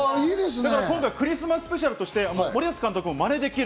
クリスマススペシャルとして森保監督もまねできる？